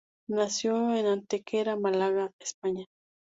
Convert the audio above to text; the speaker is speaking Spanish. Nació en Antequera, Málaga, España.